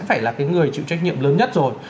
phải là cái người chịu trách nhiệm lớn nhất rồi